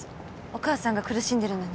お母さんが苦しんでるのに。